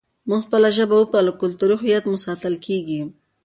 موږ خپله ژبه وپالو، کلتوري هویت مو ساتل کېږي.